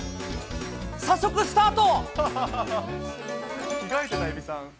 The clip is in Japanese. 早速、スタート。